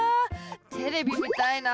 テレビ見たいな。